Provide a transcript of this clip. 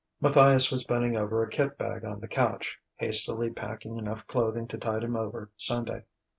Matthias was bending over a kit bag on the couch, hastily packing enough clothing to tide him over Sunday.